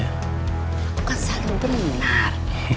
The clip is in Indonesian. aku kan selalu benar